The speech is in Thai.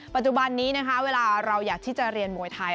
ปัจจุบันนี้นะคะเวลาเราอยากที่จะเรียนมวยไทย